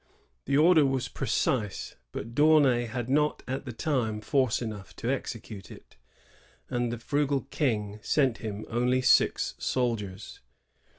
The order was precise; but D'Aunay had not at the time force enough to execute it, and the frugal King sent him only six soldiers.